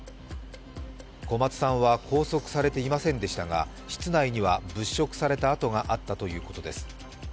小松さんは拘束されていませんでしたが室内には物色された跡があったということです。